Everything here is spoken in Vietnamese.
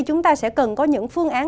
chúng ta sẽ cần có những phương án